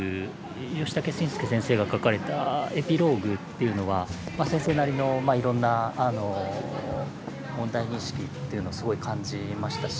ヨシタケシンスケ先生がかかれたエピローグっていうのは先生なりのいろんな問題認識っていうのすごい感じましたし。